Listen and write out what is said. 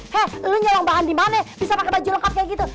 he lu nyelam bahan dimana bisa pake baju lengkap kayak gitu